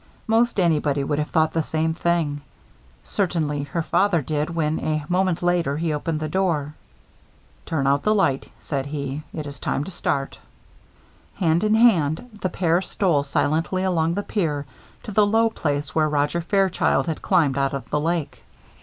Most anybody would have thought the same thing. Certainly her father did when, a moment later, he opened the door. "Turn out the light," said he. "It is time to start." Hand in hand the pair stole silently along the pier to the low place where Roger Fairchild had climbed out of the lake.